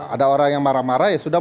ada orang yang marah marah ya sudah